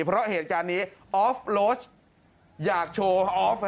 เพราะเหตุการณ์นี้ออฟโลชอยากโชว์ออฟ